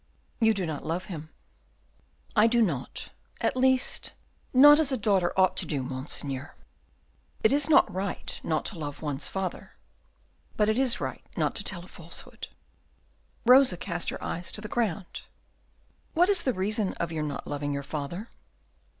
"You do not love him?" "I do not; at least, not as a daughter ought to do, Monseigneur." "It is not right not to love one's father, but it is right not to tell a falsehood." Rosa cast her eyes to the ground. "What is the reason of your not loving your father?"